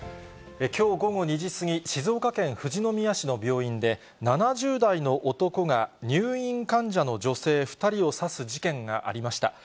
きょう午後２時過ぎ、静岡県富士宮市の病院で、７０代の男が、入院患者の女性２人を刺す事件がありました。